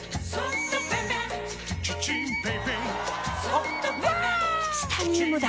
チタニウムだ！